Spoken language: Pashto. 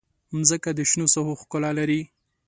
مځکه د شنو ساحو ښکلا لري.